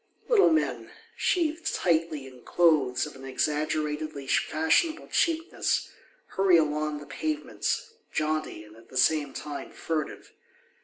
Little men, sheathed tightly in clothes of an exaggeratedly fashionable cheapness, hurry along the pavements, jaunty and at the same time furtive.